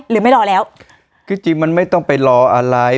รอแล้วคือจริงมันไม่ต้องไปรออะไร